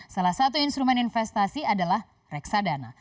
salah satu instrumen investasi adalah reksadana